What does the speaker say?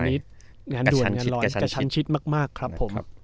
อันนี้งานด่วนงานลอยกระชันชิดมากครับผม